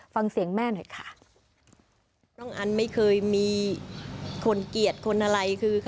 ฟังเสียงแม่หน่อยค่ะ